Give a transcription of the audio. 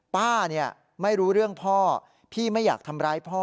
ป้าเนี่ยไม่รู้เรื่องพ่อพี่ไม่อยากทำร้ายพ่อ